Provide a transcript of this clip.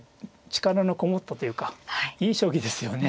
力のこもったというかいい将棋ですよね。